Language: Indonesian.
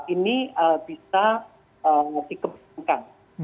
ini bisa dikembangkan